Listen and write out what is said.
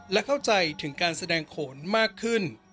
และเข้าใจถึงการแสดงโขนมากขึ้น